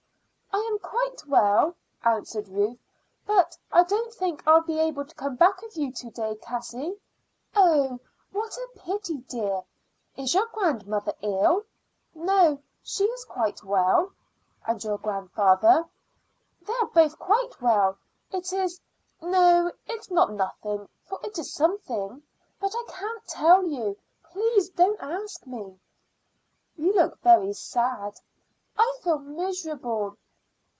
"I am quite well," answered Ruth; "but I don't think I'll be able to come back with you to day, Cassie." "Oh, what a pity, dear! Is your grandmother ill?" "No; she's quite well." "And your grandfather?" "They are both quite well. It is no, it's not nothing, for it is something; but I can't tell you. Please don't ask me." "You look very sad." "I feel miserable."